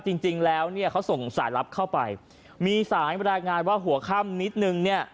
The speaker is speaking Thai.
จริงจริงแล้วเนี่ยเขาส่งสายลับเข้าไปมีสายบรรยายงานว่าหัวค่ำนิดนึงเนี่ย